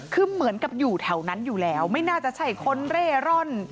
คือเหมือนกับอยู่แถวนั้นอยู่แล้วไม่น่าจะใช่คนเร่ร่อน